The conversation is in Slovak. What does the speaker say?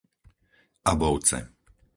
Abovce